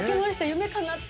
夢かなって。